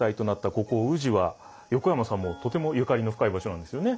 ここ宇治は横山さんもとてもゆかりの深い場所なんですよね。